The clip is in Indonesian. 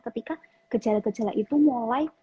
ketika gejala gejala itu mulai